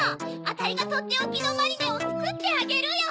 あたいがとっておきのマリネをつくってあげるよ！